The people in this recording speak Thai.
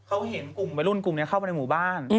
เขาเห็นวัยรุ่นกลุ่มเนี่ยเข้ามาในหมู่บ้าน